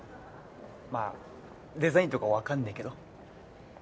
まあデザインとかわかんねけど。